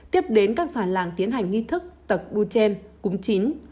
tiếp đến các sản làng tiến hành nghi thức tật bù chen cúng chín